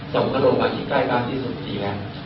ส่งเขาโรงพยาบาลที่ใกล้บ้านที่สุดที่แล้ว